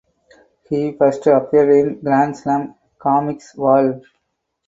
He first appeared in "Grand Slam Comics" Vol.